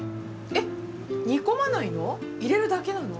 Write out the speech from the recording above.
えっ煮込まないの？